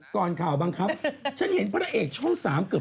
ต้องถ่ายนิดหนึ่งนะครับ